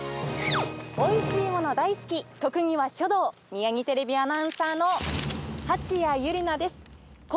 おいしいもの大好き、特技は書道、ミヤギテレビアナウンサーの蜂谷由梨奈です。